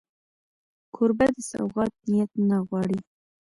کوربه د سوغات نیت نه غواړي.